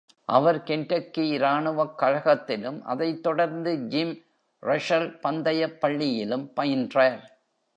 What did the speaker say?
அவர் Kentucky இராணுவக் கழகத்திலும் அதைத் தொடர்ந்து ஜிம் இரஸ்சல் பந்தயப் பள்ளியிலும் பயின்றார்.